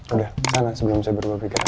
udah sana sebelum saya berubah pikiran